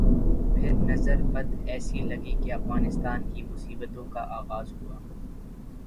پھر نظر بد ایسی لگی کہ افغانستان کی مصیبتوں کا آغاز ہوا۔